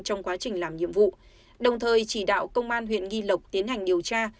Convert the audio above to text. trong quá trình làm nhiệm vụ đồng thời chỉ đạo công an huyện nghi lộc tiến hành điều tra